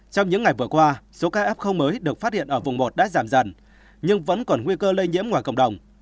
trong những ngày vừa qua số ca f mới được phát hiện ở vùng một đã giảm dần nhưng vẫn còn nguy cơ lây nhiễm ngoài cộng đồng